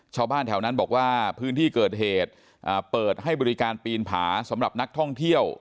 ชาวบ้านแถวนั้นบอกว่าพื้นที่เกิดเหตุเปิดให้บริการปีนผาสำหรับนักท่องเที่ยว